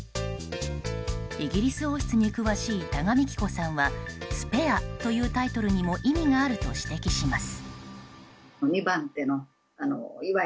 イギリス王室に詳しい多賀幹子さんは「スペア」というタイトルにも意味があると指摘します。